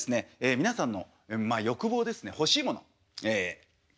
皆さんの欲望ですね欲しいもの気持ちがねっ。